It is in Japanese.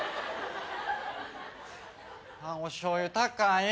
おしょうゆ高い。